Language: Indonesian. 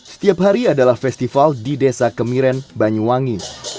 setiap hari adalah festival di desa kemiren banyuwangi